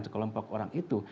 sekelompok orang itu